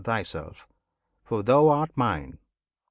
thyself; for thou art Mine!